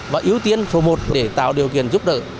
và ưu tiên số một để tạo điều kiện giúp đỡ